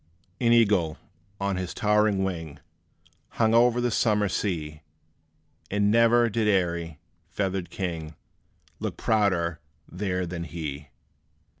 An Eagle, on his towering wing, Hung o'er the summer sea; And ne'er did airy, feathered king Look prouder there than he.